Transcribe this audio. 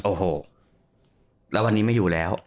โอ้โหแล้ววันนี้ไม่อยู่แล้ว